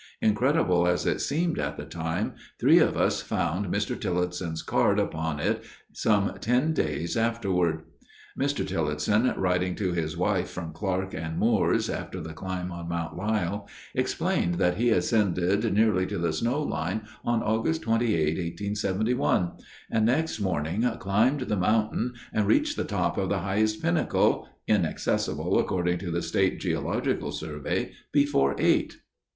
Incredible as it seemed at the time, three of us found Mr. Tileston's card upon it some ten days afterward. Mr. Tileston, writing to his wife from Clark and Moore's after the climb on Mount Lyell, explained that he ascended nearly to the snow line on August 28, 1871, and next morning "climbed the mountain and reached the top of the highest pinnacle ('inaccessible, according to the State Geological Survey') before eight."